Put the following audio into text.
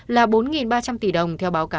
là bốn ba trăm linh tỷ đồng